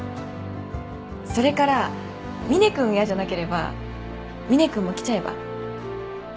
「それからみね君が嫌じゃなければみね君も来ちゃえば？」